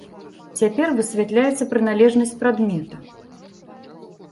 Цяпер высвятляецца прыналежнасць прадмета.